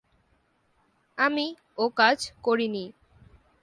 আমি ওকাজ করিনি।